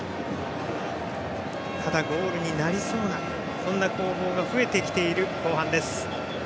ただゴールになりそうなそんな攻防が増えてきている後半。